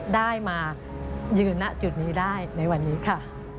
ได้มายืนณจุดนี้ได้ในวันนี้ค่ะ